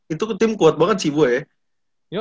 itu tim kuat banget sih gue ya